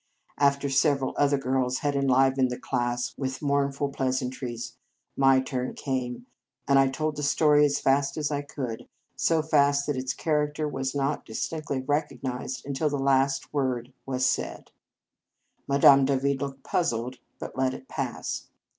After several other girls had enlivened the class with mournful pleasantries, my turn came, and I told the story as fast as I could, so fast that its character was not distinctly recognized until the last word was said. Madame Davide looked puzzled, but let it pass.